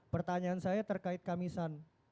pertanyaan saya terkait kamisan